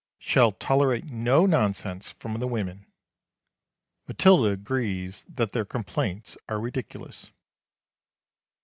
Shall tolerate no nonsense from the women. Matilda agrees that their complaints are ridiculous.